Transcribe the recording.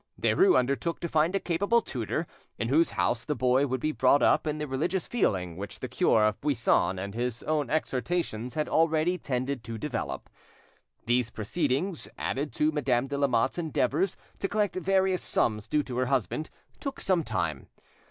Derues undertook to find a capable tutor, in whose house the boy would be brought up in the religious feeling which the cure of Buisson and his own exhortations had already tended to develop. These proceedings, added to Madame de Lamotte's endeavours to collect various sums due to her husband, took some time.